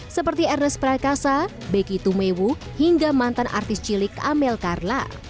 seperti ernest prakasa beki tumewu hingga mantan artis cilik amel karla